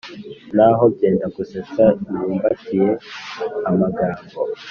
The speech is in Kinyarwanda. naho byendagusetsa ibumbatiye amagambo